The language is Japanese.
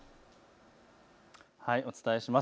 お伝えします。